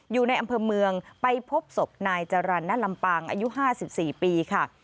อยู่ในอำเภอเมืองไปพบศพนายจรรย์ณลำปางอายุ๕๔ปีค่ะ